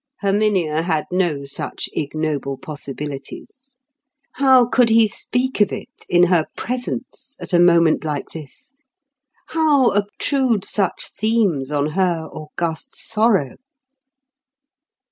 Herminia had no such ignoble possibilities. How could he speak of it in her presence at a moment like this? How obtrude such themes on her august sorrow?